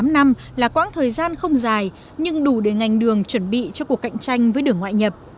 một mươi năm là quãng thời gian không dài nhưng đủ để ngành đường chuẩn bị cho cuộc cạnh tranh với đường ngoại nhập